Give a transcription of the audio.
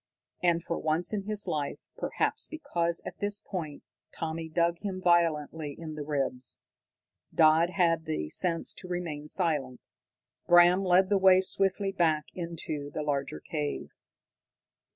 And for once in his life, perhaps because at this point Tommy dug him violently in the ribs, Dodd had the sense to remain silent. Bram led the way swiftly back into the larger cave.